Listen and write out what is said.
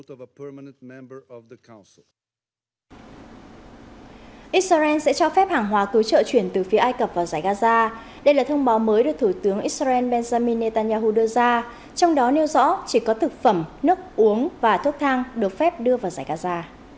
israel sẽ cho phép hàng hóa cứu trợ chuyển từ phía ai cập vào giải gaza đây là thông báo mới được thủ tướng israel benjamin netanyahu đưa ra trong đó nêu rõ chỉ có thực phẩm nước uống và thuốc thang được phép đưa vào giải gaza